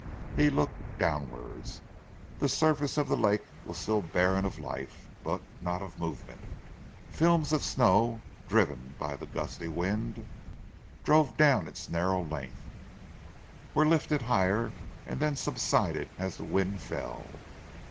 He looked downwards. The surface of the lake was still barren of life; but not of movement. Films of snow, driven by the gusty wind, drove down its narrow length, were lifted higher and then subsided as the wind fell.